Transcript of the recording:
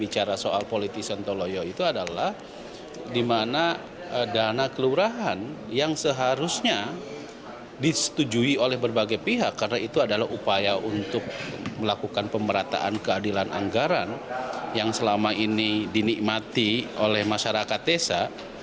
bicara soal politi sontoloyo itu adalah dimana dana kelurahan yang seharusnya disetujui oleh berbagai pihak karena itu adalah upaya untuk melakukan pemerataan keadilan anggaran yang selama ini dinikmati oleh masyarakat desa